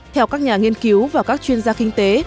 theo các nhà nghiên cứu và các chuyên gia kinh tế